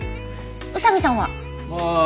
宇佐見さんは？